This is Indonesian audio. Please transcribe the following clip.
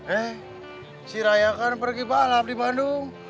eh si raya kan pergi balap di bandung